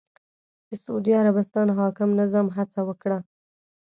د سعودي عربستان حاکم نظام هڅه وکړه